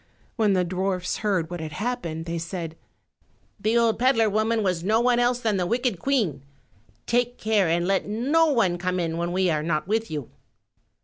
When the dwarfs heard what had happened they said, "The old peddler woman was no one else than the wicked Queen; take care and let no one come in when we are not with you."